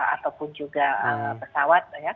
atau juga pesawat